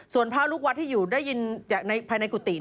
ส่วนพระรุกวัดที่อยู่ภายในกุฏิ